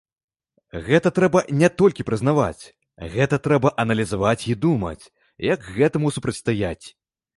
Гэта трэба не толькі прызнаваць, гэта трэба аналізаваць і думаць, як гэтаму супрацьстаяць.